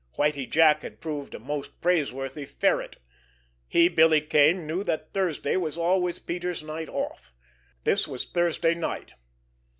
Whitie Jack had proved a most praiseworthy ferret. He, Billy Kane, knew that Thursday was always Peters' night off. This was Thursday night.